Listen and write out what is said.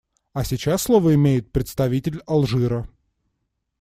А сейчас слово имеет представитель Алжира.